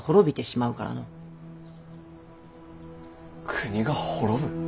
国が滅ぶ。